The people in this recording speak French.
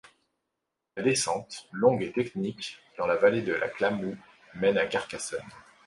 La descente, longue et technique, dans la vallée de la Clamoux, mène à Carcassonne.